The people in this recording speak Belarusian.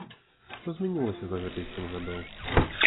Што ж змянілася за гэтыя сем гадоў?